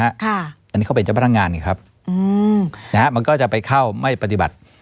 อันนี้เขาเป็นเจ้าพนักงานนี่ครับอืมนะฮะมันก็จะไปเข้าไม่ปฏิบัติ